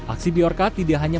aksi biorca tidak hanya